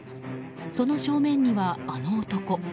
その正面には、あの男。